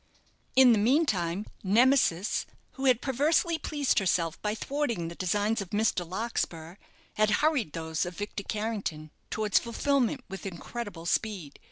In the meantime, Nemesis, who had perversely pleased herself by thwarting the designs of Mr. Larkspur, had hurried those of Victor Carrington towards fulfilment with incredible speed.